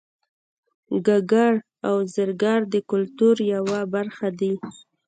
ګګر او زرګر د کولتور یوه برخه دي